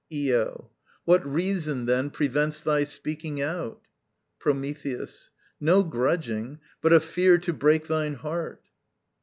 Io. What reason, then, prevents thy speaking out? Prometheus. No grudging; but a fear to break thine heart.